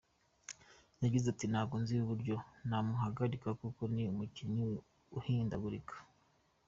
Yagize ati “Ntabwo nzi uburyo namuhagarika kuko ni umukinnyi uhindagurika.